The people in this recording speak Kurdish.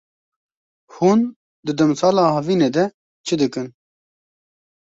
Hûn di demsala havinê de çi dikin?